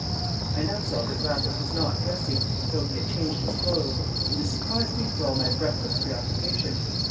I now saw that Raffles was not dressing, though he had changed his clothes, and this surprised me for all my breathless preoccupation.